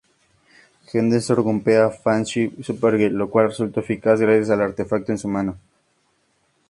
Henderson golpea a Banshee-Supergirl, lo cual resultó eficaz gracias al artefacto en su mano.